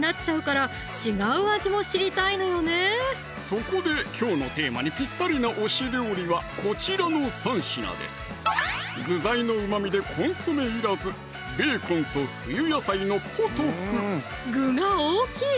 そこできょうのテーマにぴったりな推し料理はこちらの３品です具材のうまみでコンソメいらず具が大きい！